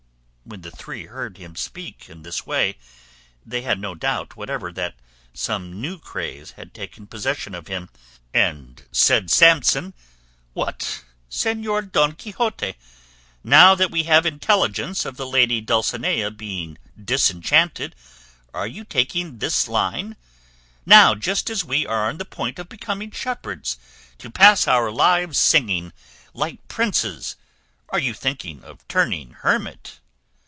When the three heard him speak in this way, they had no doubt whatever that some new craze had taken possession of him; and said Samson, "What? Señor Don Quixote! Now that we have intelligence of the lady Dulcinea being disenchanted, are you taking this line; now, just as we are on the point of becoming shepherds, to pass our lives singing, like princes, are you thinking of turning hermit?